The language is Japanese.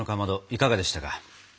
いかがでしたか？